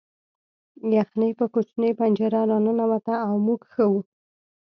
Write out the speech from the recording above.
یخني په کوچنۍ پنجره نه راننوته او موږ ښه وو